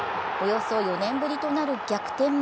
およそ４年ぶりとなる逆転